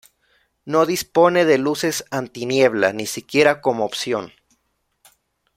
No dispone de luces antiniebla, ni siquiera como opción.